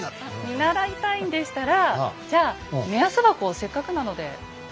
見習いたいんでしたらじゃあ目安箱をせっかくなので置きましょっか。